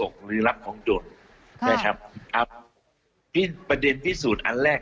ประเด็นที่สูตรอันแรก